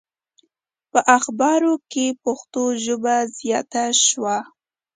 په اخبارونو کې پښتو ژبه زیاته شوه.